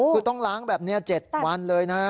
คือต้องล้างแบบนี้๗วันเลยนะ